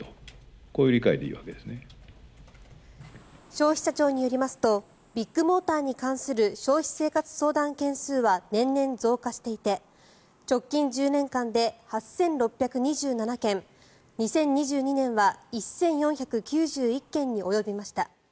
消費者庁によりますとビッグモーターに関する消費生活相談件数は年々増加していて直近１０年間で８６２７件２０２２年は１４９１件に及びました。